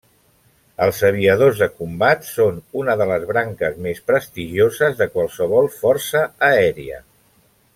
Els aviadors de combat són una de les branques més prestigioses de qualsevol força aèria.